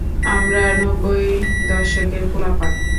আমরা নব্বই দশকের পোলাপান।